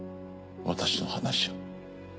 私の話を。